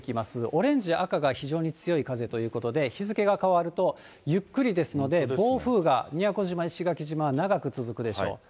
オレンジ、赤が非常に強い風ということで、日付が変わると、ゆっくりですので、暴風が宮古島、石垣島、長く続くでしょう。